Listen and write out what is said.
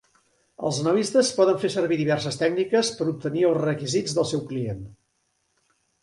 Els analistes poden fer servir diverses tècniques per a obtenir els requisits del seu client.